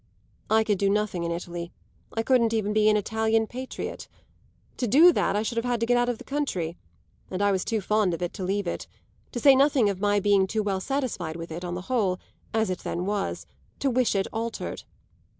I could do nothing in Italy I couldn't even be an Italian patriot. To do that I should have had to get out of the country; and I was too fond of it to leave it, to say nothing of my being too well satisfied with it, on the whole, as it then was, to wish it altered.